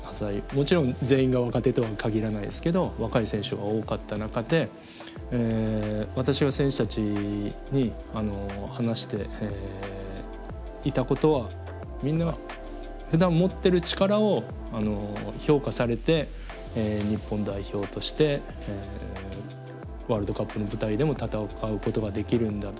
もちろん全員が若手とは限らないですけど若い選手が多かった中で私は選手たちに話していたことはみんなふだん持ってる力を評価されて日本代表としてワールドカップの舞台でも戦うことができるんだと。